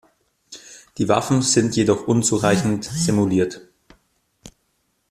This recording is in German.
Die Waffen sind jedoch unzureichend simuliert.